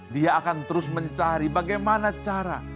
dia akan terus mencari bagaimana cara